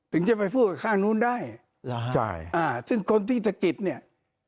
ถึงจะไปพูดข้างนู้นได้จ้ะอ่าซึ่งคนที่สะกิดเนี้ย